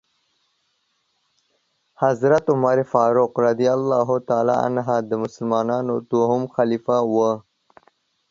حضرت عمرفاروق رضی الله تعالی عنه د مسلمانانو دوهم خليفه وو .